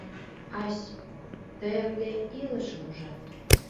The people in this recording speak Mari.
Ась, тый ынде илышым ужат.